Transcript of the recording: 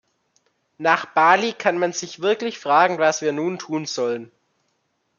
Nach Bali kann man sich wirklich fragen, was wir nun tun sollen.